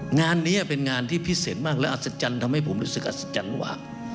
งานนี้เป็นงานที่พิเศษมากและอัศจรรย์ทำให้ผมรู้สึกอัศจรรย์หว่า